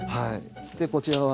でこちらは。